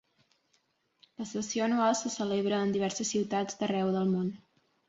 La sessió anual se celebra en diverses ciutats d'arreu del món.